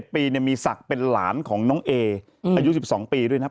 ปีมีศักดิ์เป็นหลานของน้องเออายุ๑๒ปีด้วยนะครับ